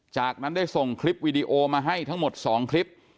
จากนั้นได้ส่งคลิปวีดีโอมาให้ทั้งหมด๒คลิป